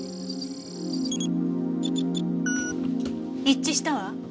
一致したわ。